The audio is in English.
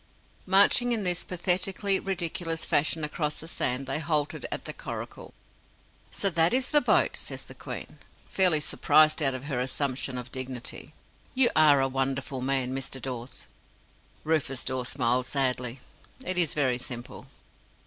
Marching in this pathetically ridiculous fashion across the sand, they halted at the coracle. "So that is the boat!" says the Queen, fairly surprised out of her assumption of dignity. "You are a Wonderful Man, Mr. Dawes!" Rufus Dawes smiled sadly. "It is very simple."